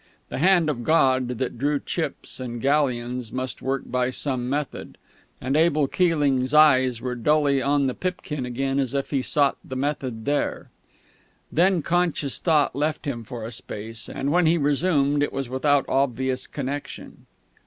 The Hand of God, that drew chips and galleons, must work by some method; and Abel Keeling's eyes were dully on the pipkin again as if he sought the method there.... Then conscious thought left him for a space, and when he resumed it was without obvious connection.